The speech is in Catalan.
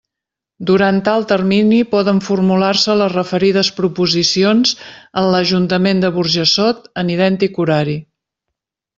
Durant tal termini poden formular-se les referides proposicions en l'Ajuntament de Burjassot en idèntic horari.